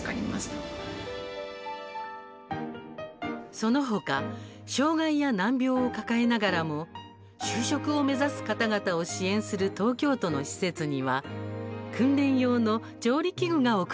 そのほか、障がいや難病を抱えながらも就職を目指す方々を支援する東京都の施設には訓練用の調理器具が贈られました。